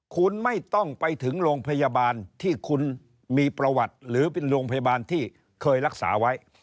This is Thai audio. คุณไม่ต้องไปถึงโรงพยาบาลที่คุณมีประวัติหรือเป็นโรงพยาบาลที่เคยรักษาไว้